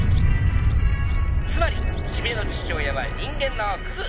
「つまり四部の父親は人間のクズ」